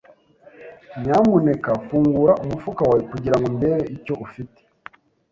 Nyamuneka fungura umufuka wawe kugirango ndebe icyo ufite.